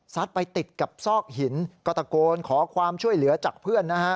ไปติดกับซอกหินก็ตะโกนขอความช่วยเหลือจากเพื่อนนะฮะ